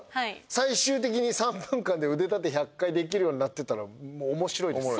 最終的に３分間で腕立て１００回できるようになってたらおもしろいです